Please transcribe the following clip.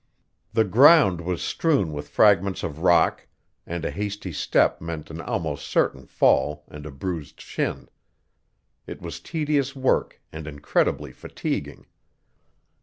The ground was strewn with fragments of rock, and a hasty step meant an almost certain fall and a bruised shin. It was tedious work and incredibly fatiguing.